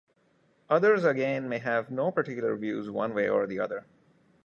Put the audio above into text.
Others again may have no particular views one way or the other.